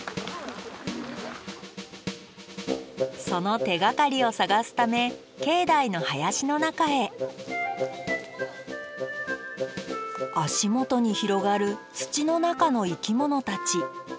その手がかりを探すため境内の林の中へ足元に広がる土の中の生き物たち。